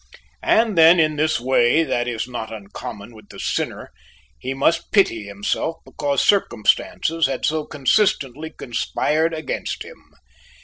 And then, in this way that is not uncommon with the sinner, he must pity himself because circumstances had so consistently conspired against him.